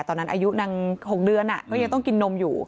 ตอนนั้นอายุนาง๖เดือนก็ยังต้องกินนมอยู่